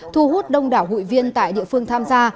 thu hút đông đảo hụi viên tại địa phương tham gia